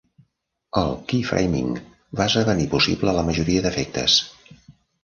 El "keyframing" va esdevenir possible a la majoria d'efectes.